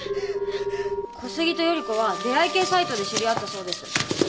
小杉と頼子は出会い系サイトで知り合ったそうです。